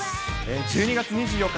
１２月２４日